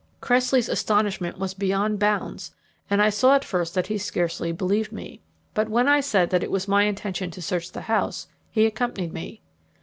Cressley's astonishment was beyond bounds, and I saw at first that he scarcely believed me; but when I said that it was my intention to search the house, he accompanied me.